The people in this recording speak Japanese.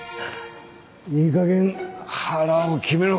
いいかげん腹を決めろ。